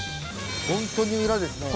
本当に裏ですね。